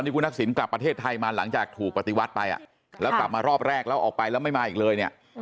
คุณทักษิณกลับประเทศไทยมาหลังจากถูกปฏิวัติไปแล้วกลับมารอบแรกแล้วออกไปแล้วไม่มาอีกเลยเนี่ย